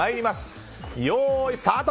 よーいスタート！